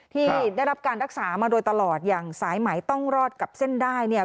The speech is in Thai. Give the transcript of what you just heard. ที่ได้รับการรักษามาโดยตลอดอย่างสายไหมต้องรอดกับเส้นได้เนี่ย